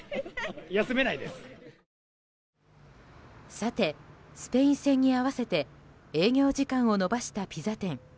さて、スペイン戦に合わせて営業時間を延ばしたピザ店。